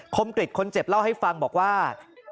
มกริจคนเจ็บเล่าให้ฟังบอกว่า